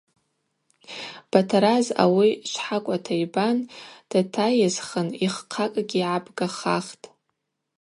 Батараз ауи швхӏакӏвата йбан датайысхын йыххъакӏгьи гӏабгахахтӏ.